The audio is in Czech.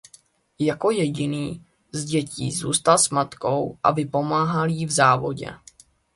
Jako jediný z dětí zůstal s matkou a vypomáhal jí v závodě.